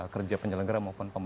kerja penyelenggara maupun pemilu